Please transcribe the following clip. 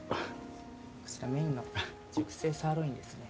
こちらメインの熟成サーロインですね。